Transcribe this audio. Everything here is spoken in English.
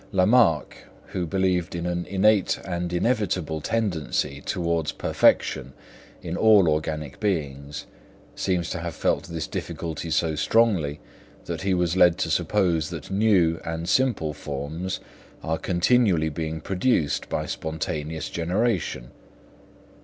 Lamarck, who believed in an innate and inevitable tendency towards perfection in all organic beings, seems to have felt this difficulty so strongly that he was led to suppose that new and simple forms are continually being produced by spontaneous generation.